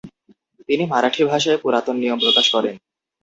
তিনি মারাঠি ভাষায় পুরাতন নিয়ম প্রকাশ করেন।